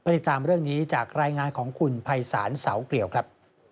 ติดตามเรื่องนี้จากรายงานของคุณภัยศาลเสาเกลี่ยวครับ